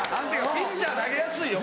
ピッチャー投げやすいよ。